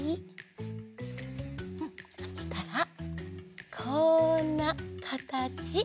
うんそしたらこんなかたち。